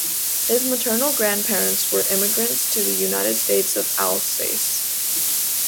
His maternal grandparents were immigrants to the United States from Alsace.